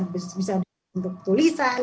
gagasannya bisa bentuk tulisan